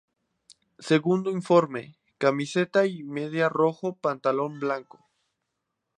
Segundo uniforme: Camiseta y medias rojo, pantalón blanco.